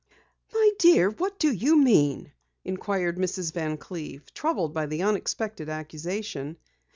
"My dear, what do you mean?" inquired Mrs. Van Cleve, troubled by the unexpected accusation.